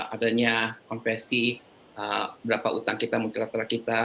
adanya konversi berapa utang kita multilateral kita